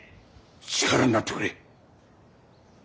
力になってくれ。